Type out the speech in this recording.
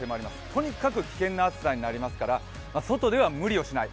とにかく危険な暑さになりますから外では無理をしない。